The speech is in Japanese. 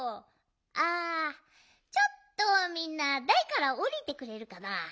あちょっとみんなだいからおりてくれるかな？